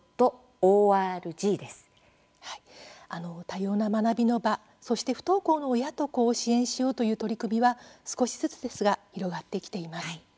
多様な学びの場、そして不登校の親と子を支援しようという取り組みは少しずつですが広がってきています。